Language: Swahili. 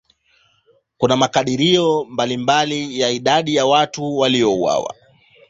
Kuna makadirio mbalimbali ya idadi ya watu waliouawa.